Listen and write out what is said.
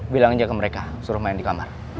bilang aja ke mereka suruh main di kamar